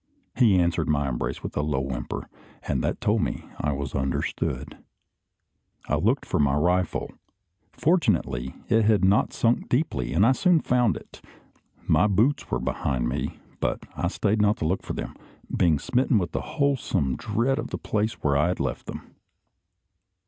He answered my embrace with a low whimper, that told me I was understood. I looked for my rifle. Fortunately, it had not sunk deeply, and I soon found it. My boots were behind me, but I stayed not to look for them, being smitten with a wholesome dread of the place where I had left them.